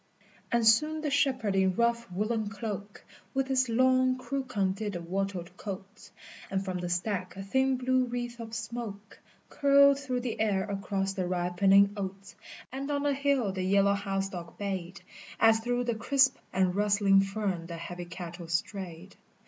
And soon the shepherd in rough woollen cloak With his long crook undid the wattled cotes, And from the stack a thin blue wreath of smoke Curled through the air across the ripening oats, And on the hill the yellow house dog bayed As through the crisp and rustling fern the heavy cattle strayed.